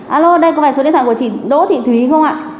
alo đây có phải số điện thoại của chị đỗ thị thúy không ạ